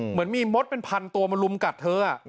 เหมือนมีมดเป็นพันตัวมาลุมกัดเธอ